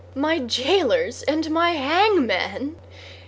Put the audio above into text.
"My jailers and my hangmen!